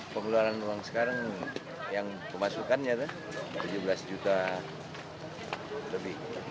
sekarang uang yang kemasukannya tujuh belas juta lebih